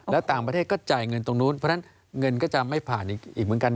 แล้วต่างประเทศก็จ่ายเงินตรงนู้นเพราะฉะนั้นเงินก็จะไม่ผ่านอีกเหมือนกัน